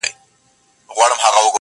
جهاني رامعلومېږي د شفق له خوني سترګو.!